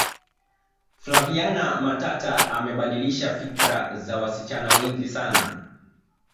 flaviana matata amebadilisha fikra za wasichana wengi sana